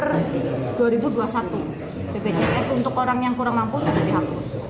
bpjs untuk orang yang kurang mampu tidak dihapus